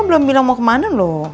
belum bilang mau ke mana loh